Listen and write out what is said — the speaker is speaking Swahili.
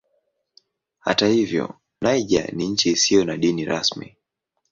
Hata hivyo Niger ni nchi isiyo na dini rasmi.